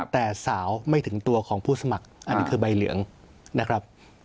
แต่สาวไม่ถึงตัวของผู้สมัครอันนี้คือใบเหลืองนะครับ